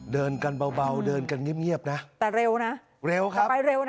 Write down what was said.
เดินกันเบาเดินกันเงียบนะแต่เร็วนะเร็วครับไปเร็วนะ